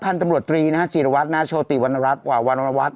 พันธุ์ตำรวจตรีนะฮะจีรวัตรนะฮะโชติวันรัฐวันวันวันวัน